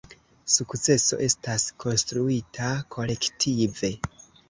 Sukceso estas konstruita kolektive.